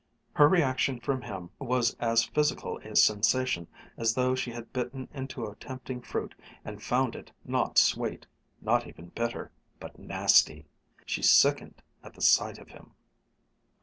Her reaction from him was as physical a sensation as though she had bitten into a tempting fruit and found it not sweet not even bitter but nasty. She sickened at the sight of him.